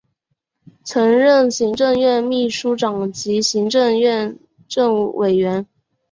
曾任行政院秘书长及行政院政务委员。